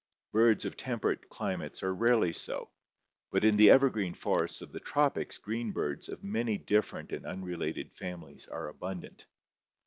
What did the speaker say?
Birds of temperate climates are rarely so, but in the ever green forests of the tropics green birds of many different and unrelated families are abundant.